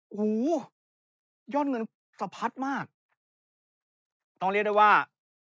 โอ้โหยอดเงินสะพัดมากต้องเรียกได้ว่า